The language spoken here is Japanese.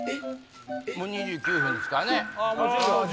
・もう２９分ですからね。